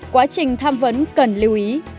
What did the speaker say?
quá trình tham vấn cần lưu ý